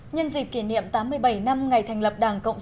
nhân dịp kỷ niệm tám mươi bảy năm ngày thành lập đảng cộng sản